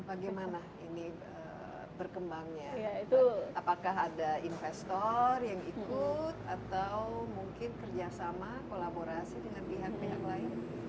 bagaimana ini berkembangnya apakah ada investor yang ikut atau mungkin kerjasama kolaborasi dengan pihak pihak lain